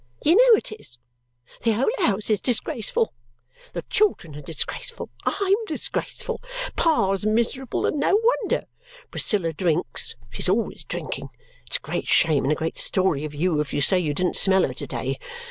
"You know it is. The whole house is disgraceful. The children are disgraceful. I'M disgraceful. Pa's miserable, and no wonder! Priscilla drinks she's always drinking. It's a great shame and a great story of you if you say you didn't smell her to day.